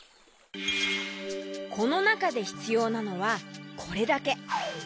このなかでひつようなのはこれだけ。